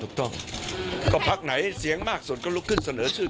แล้วก็อาจจะมีการลุกขึ้นเสนอชื่อ